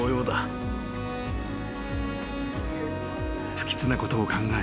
［不吉なことを考え